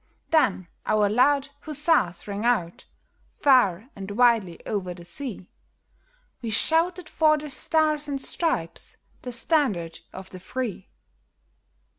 Then our loud huzzas rang out, far and widely o'er the sea ! We shouted for the stars and stripes, the standard of the free